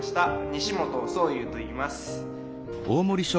西本想侑といいます。